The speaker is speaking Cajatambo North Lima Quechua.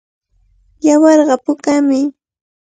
Yawarqa pukami.